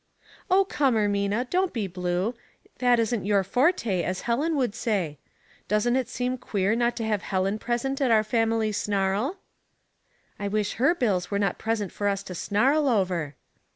"Oh, come, Ermina, don't be blue; that isn't your forte, as Helen would say. Doesn't it seem queer not to have Helen present at our family snarl ?" "I wish her bills were not present for us to snarl over."